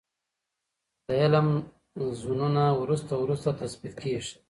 د علم زونونه وروسته وروسته تثبیت کیږي.